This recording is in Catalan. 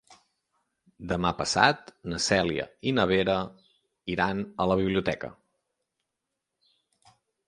Demà passat na Cèlia i na Vera iran a la biblioteca.